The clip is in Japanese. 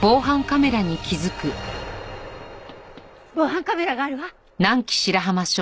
防犯カメラがあるわ。